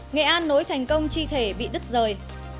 nghệ an nối thành công chi thể bị đứt rời